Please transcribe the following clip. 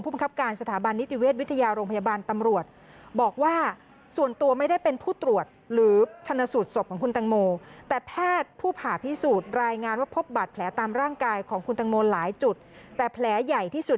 ผู้บังคับการณ์สถาบันนิติเวทย์วิทยาโรงพยาบาลตำรวจ